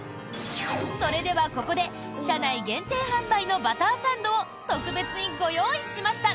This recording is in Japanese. それでは、ここで車内限定販売のバターサンドを特別にご用意しました。